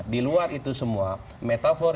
di luar itu semua metafor